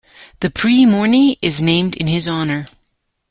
The Prix Morny is named in his honour.